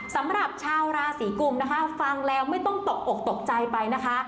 สำหรับชาวราศีกุมนะคะฟังแล้วไม่ต้องตกอกตกใจไปนะคะ